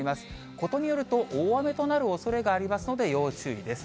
ことによると大雨となるおそれがありますので、要注意です。